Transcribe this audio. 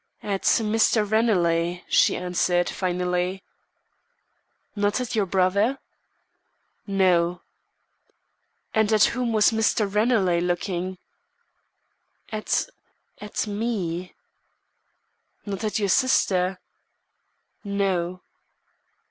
"At Mr. Ranelagh," she answered, finally. "Not at your brother?" "No." "And at whom was Mr. Ranelagh looking?" "At at me." "Not at your sister?" "No."